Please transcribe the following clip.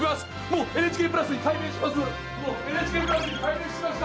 もうＮＨＫプラスに改名しました！